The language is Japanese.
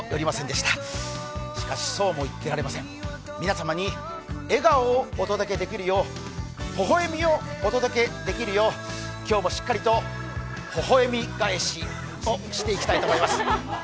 しかし、そうも言っていられません皆様に笑顔をお届けできるようほほ笑みをお届けできるよう、今日もしっかりと「微笑がえし」をしていきたいと思います。